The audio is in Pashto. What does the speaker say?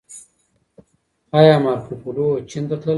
ايا مارکوپولو چين ته تللی و؟